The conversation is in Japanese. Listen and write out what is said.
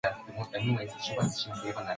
お茶を入れました。